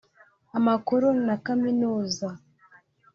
amakuru na kaminuza